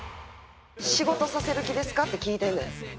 仕事させる気ですかって聞いてんねん。